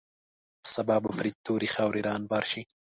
په سبا به پرې تورې خاورې انبار شي.